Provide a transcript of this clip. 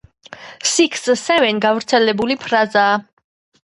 six seven გავრცელებული ფრაზაა